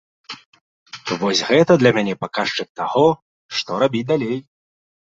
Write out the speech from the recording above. Вось гэта для мяне паказчык таго, што рабіць далей.